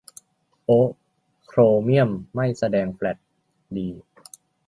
โอ๊ะ โครเมี่ยมไม่แสดงแฟลช - ดี !